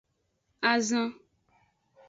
Azan.